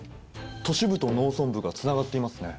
都市部と農村部がつながっていますね。